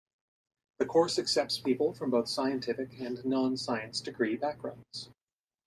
The course accepts people from both scientific and non science degree backgrounds.